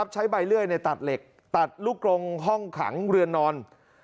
ใช้ใบเลื่อยตัดเหล็กตัดลูกกรงห้องขังเรือนนอน